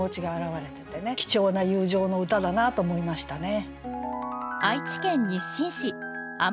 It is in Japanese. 貴重な友情の歌だなと思いましたね。